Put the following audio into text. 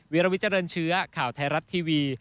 รวิเจริญเชื้อข่าวไทยรัฐทีวี